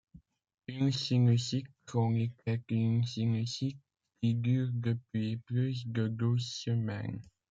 Une sinusite chronique est une sinusite qui dure depuis plus de douze semaines.